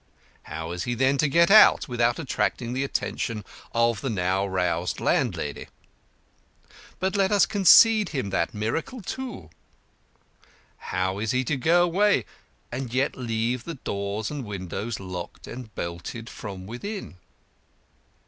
How is he then to get out without attracting the attention of the now roused landlady? But let us concede him that miracle, too. How is he to go away and yet leave the doors and windows locked and bolted from within?